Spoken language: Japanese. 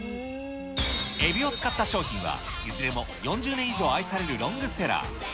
エビを使った商品はいずれも４０年以上愛されるロングセラー。